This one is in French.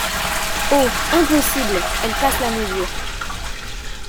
Oh !, Impossible !, Elle passe la mesure.